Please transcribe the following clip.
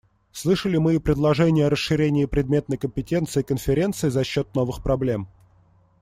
Слышали мы и предложения о расширении предметной компетенции Конференции за счет новых проблем.